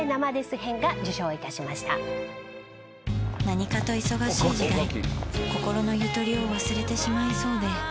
「何かと忙しい時代」「心のゆとりを忘れてしまいそうで」